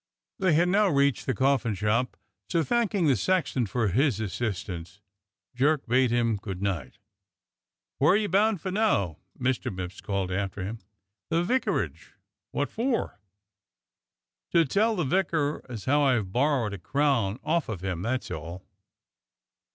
They had now reached the coffin shop, so, thanking the sexton for his assistance. Jerk bade him good night. "Where are you bound for now?" Mr. Mipps called after him. "The vicarage." "W^otfor?" "To tell the vicar as how I've borrowed a crown off of him, that's all!"